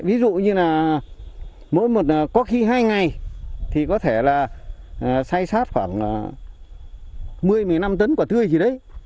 không có nhiều ví dụ như là có khi hai ngày thì có thể là xay sát khoảng một mươi một mươi năm tấn quả tươi thì đấy